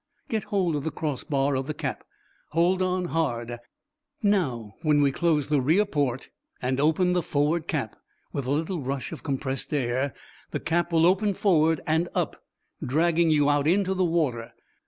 Get hold of the crossbar of the cap. Hold on hard. Now, when we close the rear port, and open the forward cap, with a little rush of compressed air, the cap will open forward and up, dragging you out into the water.